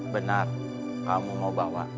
benar kamu mau bawa